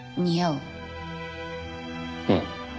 うん。